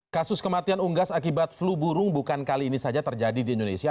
kasus kematian unggas akibat flu burung bukan kali ini saja terjadi di indonesia